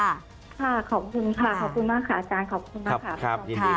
ขอบคุณค่ะขอบคุณมากค่ะอาจารย์